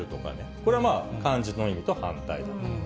これはまあ、漢字の意味と反対だと。